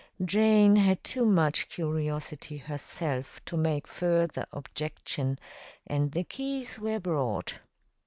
Jane had too much curiosity herself to make further objection, and the keys were brought.